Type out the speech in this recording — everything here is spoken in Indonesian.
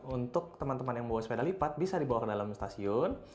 untuk teman teman yang membawa sepeda lipat bisa dibawa ke dalam stasiun